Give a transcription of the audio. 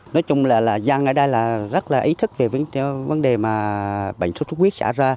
nói chung là dân ở đây rất là ý thức về vấn đề bệnh sốt xuất huyết xảy ra